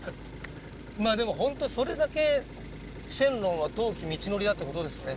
まあでもほんとそれだけ神龍は遠き道のりだってことですね。